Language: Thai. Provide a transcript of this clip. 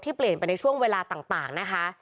ที่เปลี่ยนไปในช่วงเวลาต่าง